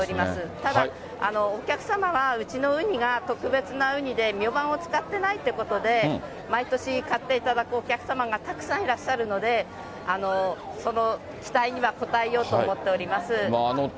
ただ、お客様はうちのウニが特別なウニで、ミョウバンを使ってないということで、毎年買っていただくお客様がたくさんいらっしゃるので、その期待には応えようと思っております。